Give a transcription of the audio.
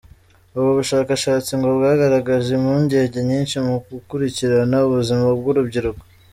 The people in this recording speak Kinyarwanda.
Ubu bushakashatsi ngo bwagaragaje impungenge nyinshi mu gukurikirana ubuzima bw’urubyiruko.